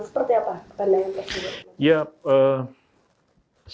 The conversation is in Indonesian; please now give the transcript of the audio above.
seperti apa pandangan presiden